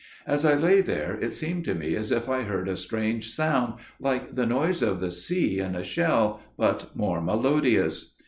As I lay there it seemed to me as if I heard a strange sound like the noise of the sea in a shell, but more melodious.